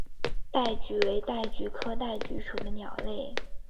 戴菊为戴菊科戴菊属的鸟类。